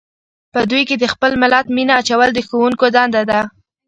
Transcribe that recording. په دوی کې د خپل ملت مینه اچول د ښوونکو دنده ده.